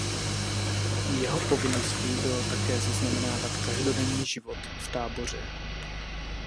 Jeho povinností bylo také zaznamenávat každodenní život v táboře.